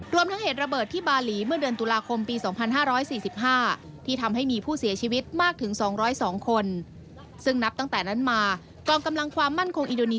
รวมทั้งเหตุระเบิดที่บาลีเมื่อเดือนตุลาคมปี๒๕๔๕